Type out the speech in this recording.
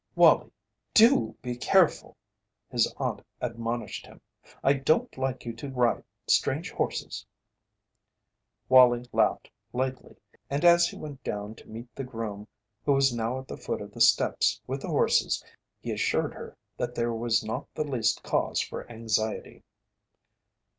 "Wallie, do be careful!" his aunt admonished him. "I don't like you to ride strange horses." Wallie laughed lightly, and as he went down to meet the groom who was now at the foot of the steps with the horses he assured her that there was not the least cause for anxiety.